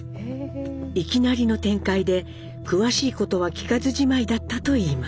いきなりの展開で詳しいことは聞かずじまいだったといいます。